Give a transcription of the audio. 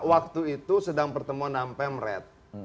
waktu itu sedang pertemuan nampem red